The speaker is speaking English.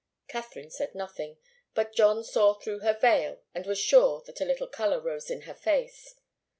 Katharine said nothing, but John saw through her veil and was sure that a little colour rose in her face.